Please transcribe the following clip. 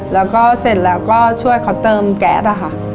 แล้วก็เสร็จแล้วก็ช่วยเขาเติมแก๊สอะค่ะ